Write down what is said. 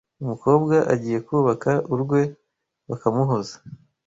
umukobwa agiye kubaka urwe bakamuhoza